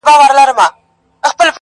• د تسو لاسو بدنامۍ خبره ورانه سوله ,